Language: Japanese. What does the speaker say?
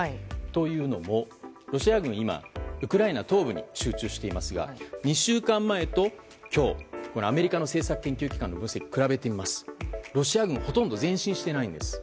というのもロシア軍は今ウクライナ東部に集中していますが２週間前と今日、アメリカの政策研究機関の分析を比べてみますと、ロシア軍はほとんど前進していないんです。